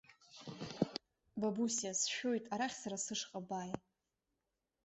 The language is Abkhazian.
Бабусиа, сшәоит арахь сара сышҟа бааи!